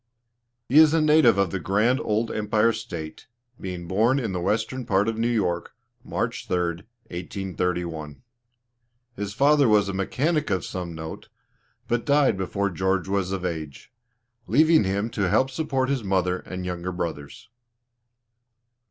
He is a native of the grand old empire State, being born in the western part of New York, March 3rd, 1831. His father was a mechanic of some note, but died before George was of age, leaving him to help support his mother and younger brothers.